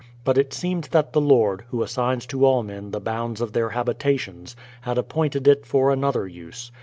But it seems that the Lord, Who assigns to all men the bounds of their habitations, had appointed it for another use.